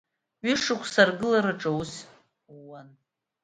Ҩышықәса аргылараҿы аус ууан.